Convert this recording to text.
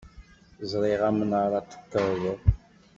Ẓriɣ amnaṛ ad t-tekkeḍ.